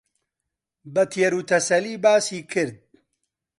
بە تێروتەسەلی باسی کرد